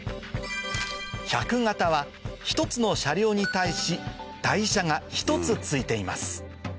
１００形は１つの車両に対し台車が１つ付いています